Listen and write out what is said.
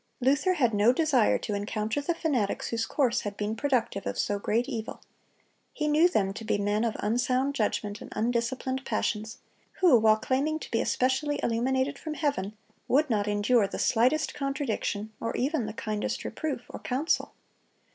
Luther had no desire to encounter the fanatics whose course had been productive of so great evil. He knew them to be men of unsound judgment and undisciplined passions, who, while claiming to be especially illuminated from heaven, would not endure the slightest contradiction, or even the kindest reproof or counsel.